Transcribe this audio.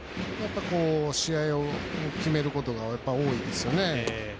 試合を決めることが多いですよね。